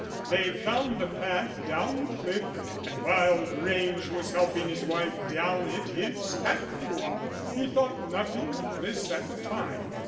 They found the path down the cliff, and while Grange was helping his wife down it his hat blew off. He thought nothing of this at the time.